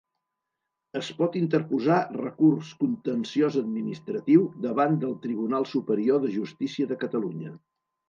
Es pot interposar recurs contenciós administratiu davant del Tribunal Superior de Justícia de Catalunya.